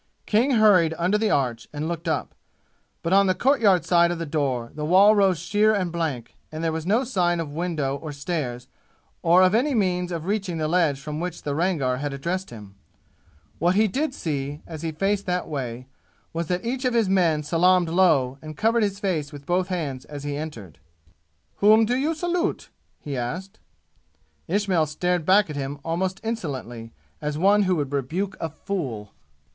King hurried under the arch and looked up, but on the courtyard side of the door the wall rose sheer and blank, and there was no sign of window or stairs, or of any means of reaching the ledge from which the Rangar had addressed him. What he did see, as he faced that way, was that each of his men salaamed low and covered his face with both hands as he entered. "Whom do ye salute?" he asked. Ismail stared back at him almost insolently, as one who would rebuke a fool.